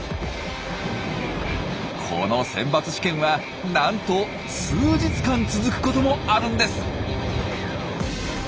この選抜試験はなんと数日間続くこともあるんです。